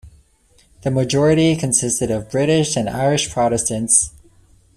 The majority consisted of British and Irish Protestants.